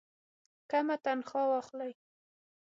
کمه تنخواه واخلي.